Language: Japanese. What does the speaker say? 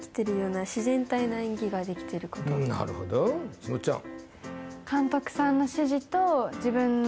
なるほど岸本ちゃん